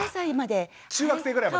中学生ぐらいまで？